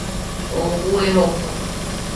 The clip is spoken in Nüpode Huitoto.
Oo fue joko